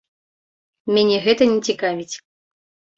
Мяне гэта не цікавіць.